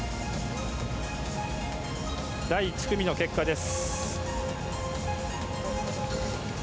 第１組の結果です。